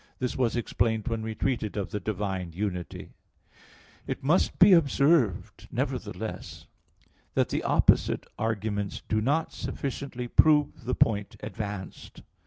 This was explained when we treated of the divine unity (Q. 11, A. 2). It must be observed, nevertheless, that the opposite arguments do not sufficiently prove the point advanced.